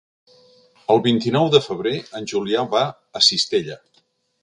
El vint-i-nou de febrer en Julià va a Cistella.